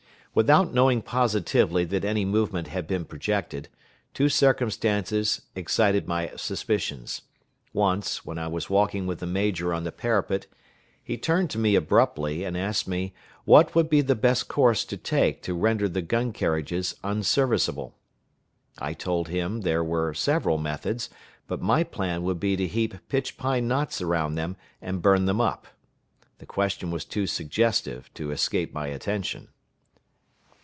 Without knowing positively that any movement had been projected, two circumstances excited my suspicions. Once, while I was walking with the major on the parapet, he turned to me abruptly, and asked me what would be the best course to take to render the gun carriages unserviceable. I told him there were several methods, but my plan would be to heap pitch pine knots around them, and burn them up. The question was too suggestive to escape my attention.